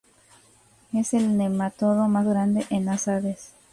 Es el nematodo más grande en las aves.